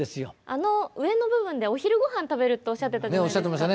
あの上の部分でお昼ご飯食べるっておっしゃってたじゃないですか。